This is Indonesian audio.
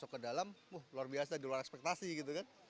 di dalam luar biasa di luar ekspektasi gitu kan